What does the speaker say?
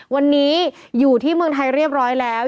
วันนี้อยู่ที่เมืองไทยเรียบร้อยแล้ว